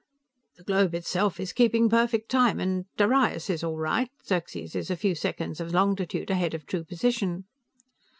"The globe itself is keeping perfect time, and Darius is all right, Xerxes is a few seconds of longitude ahead of true position."